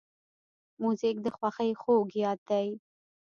موزیک د خوښۍ خوږ یاد دی.